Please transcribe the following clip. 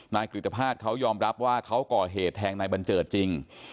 กริตภาษเขายอมรับว่าเขาก่อเหตุแทงนายบัญเจิดจริง